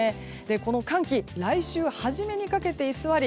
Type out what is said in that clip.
この寒気来週初めにかけて居座り